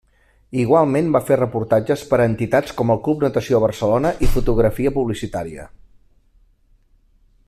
Igualment va fer reportatges per a entitats com el Club Natació Barcelona i fotografia publicitària.